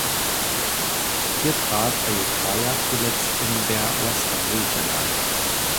Hier trat Ayutthaya zuletzt in der Western Region an.